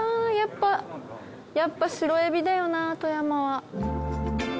やっぱ白えびだよな富山は。